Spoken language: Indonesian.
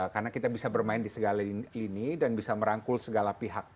karena kita bisa bermain di segala ini dan bisa merangkul segala pihak